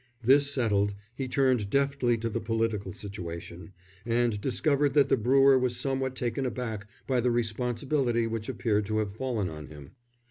This settled, he turned deftly to the political situation, and discovered that the brewer was somewhat taken aback by the responsibility which appeared to have fallen on him.